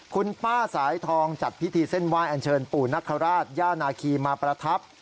คุณป้าสายทองจัดพิธีเส้นไหว้อันเชิญปู่นคราชย่านาคีมาประทับ